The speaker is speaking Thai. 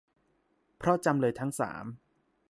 เพราะจำเลยทั้งสาม